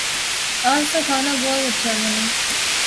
آج تو کھانا بہت اچھا بنا ہے